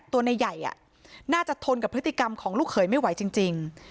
ตัวนายใหญ่น่าจะทนกับพฤติกรรมของลูกเขยไม่ไหวจริง